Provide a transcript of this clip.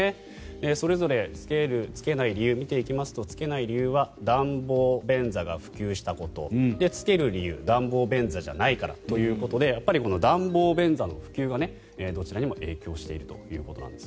それぞれつける理由つけない理由を見ていきますとつけない理由は暖房便座が普及したことつける理由は暖房便座じゃないからということでやっぱり暖房便座の普及がどちらにも影響していると。